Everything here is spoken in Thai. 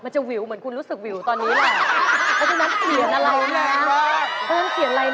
มันจะวิวเหมือนคุณรู้สึกวิวแล้วฉันนั้นเขียนอะไรอ่ะ